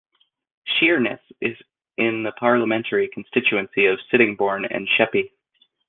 Sheerness is in the parliamentary constituency of Sittingbourne and Sheppey.